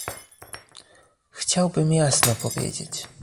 Chciałbym jasno powiedzieć